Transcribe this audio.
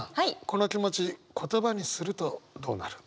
この気持ち言葉にするとどうなる？